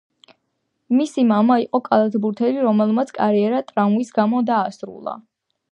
მისი მამა იყო კალათბურთელი, რომელმაც კარიერა ტრამვის გამო დაასრულა.